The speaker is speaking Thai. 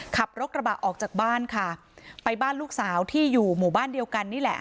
ขับรถกระบะออกจากบ้านค่ะไปบ้านลูกสาวที่อยู่หมู่บ้านเดียวกันนี่แหละ